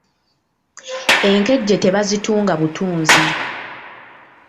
Enkejje tebazitunga butunzi.